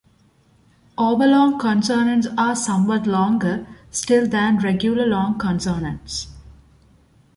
Overlong consonants are somewhat longer still than regular long consonants.